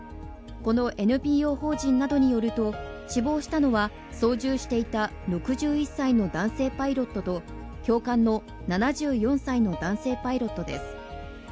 このＮＰＯ法人などによると死亡したのは操縦していた６１歳の男性パイロットと教官の７４歳の男性パイロットです。